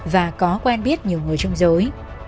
và có quen biết nhiều người trong giới